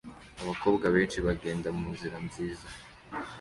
Abakobwa benshi bagenda munzira nziza